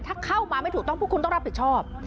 ถ้าเข้ามาไม่ถูกต้องพวกคุณต้องรับผิดชอบ